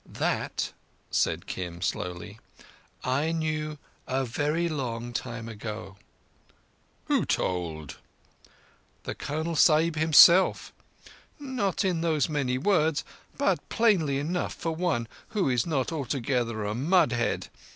"That," said Kim slowly, "I knew a very long time ago." "Who told?" "The Colonel Sahib himself. Not in those many words, but plainly enough for one who is not altogether a mud head.